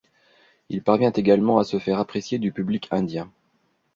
Il parvient également à se faire apprécier du public indien.